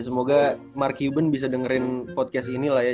ya semoga mark cuban bisa dengerin podcast ini lah ya